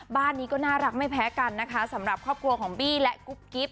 บ้านนี้ก็น่ารักไม่แพ้กันนะคะสำหรับครอบครัวของบี้และกุ๊บกิ๊บ